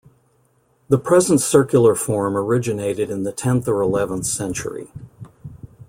The present circular form originated in the tenth or eleventh century.